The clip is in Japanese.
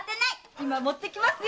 今持ってきますよ。